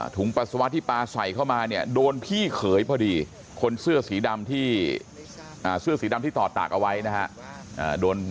ถุงปัสสาวะที่ปลาใส่เข้ามาเนี่ยโดนพี่เขยพอดีคนเสื้อสีดำที่ตอดตากเอาไว้นะครับ